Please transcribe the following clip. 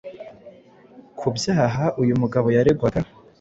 ku byaha uyu mugabo yaregwaga